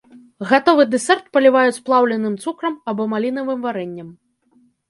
Гатовы дэсерт паліваюць плаўленым цукрам або малінавым варэннем.